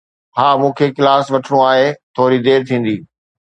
ها، مون کي ڪلاس وٺڻو آهي. ٿوري دير ٿيندي.